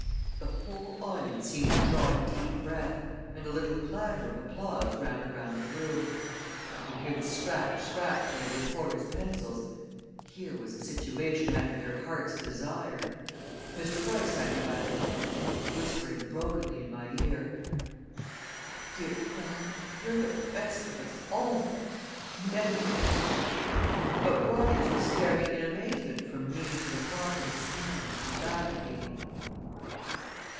The whole audience seemed to draw a deep breath, and a little clatter of applause ran around the room. I could hear the scratch, scratch of the reporters' pencils here was a situation after their hearts' desire! Mr. Royce had me by the hand, and was whispering brokenly in my ear. "My dear fellow; you're the best of us all; I'll never forget it!" But Rogers was staring in amazement from me to the cloth in his hand, and back again.